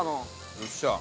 よっしゃー！